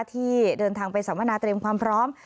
ที่เดินทางไปสัมมนาเตรียมความพร้อม